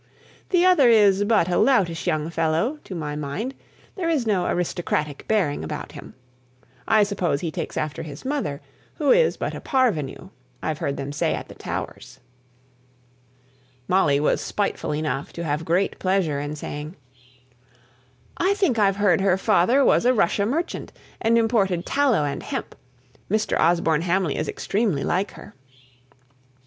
The other is but a loutish young fellow, to my mind; there is no aristocratic bearing about him. I suppose he takes after his mother, who is but a parvenue, I've heard them say at the Towers." Molly was spiteful enough to have great pleasure in saying, "I think I've heard her father was a Russian merchant, and imported tallow and hemp. Mr. Osborne Hamley is extremely like her."